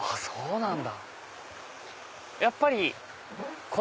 そうなんだ。